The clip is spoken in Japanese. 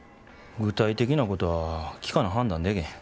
具体的なことは聞かな判断でけへん。